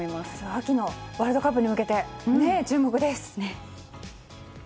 秋のワールドカップに向けて注目です！